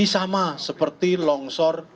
ini sama seperti longsor